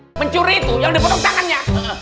hai mencuri itu yang dipotong tangannya